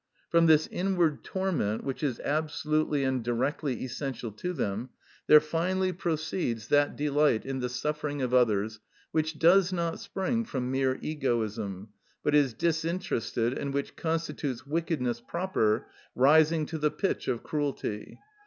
From this inward torment, which is absolutely and directly essential to them, there finally proceeds that delight in the suffering of others which does not spring from mere egoism, but is disinterested, and which constitutes wickedness proper, rising to the pitch of cruelty.